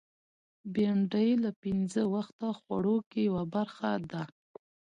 بېنډۍ له پینځه وخته خوړو کې یوه برخه ده